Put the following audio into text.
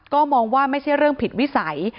ก็มองว่าไม่ใช่เรื่องผิดวิสัย